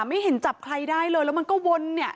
ไม่เห็นจับใครได้เลยแล้วมันก็วนเนี่ย